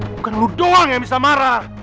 bukan lu doang yang bisa marah